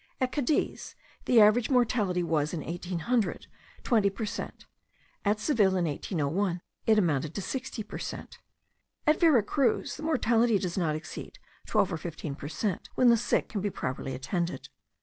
At Cadiz the average mortality was, in 1800, twenty per cent; at Seville, in 1801, it amounted to sixty per cent. At Vera Cruz the mortality does not exceed twelve or fifteen per cent, when the sick can be properly attended.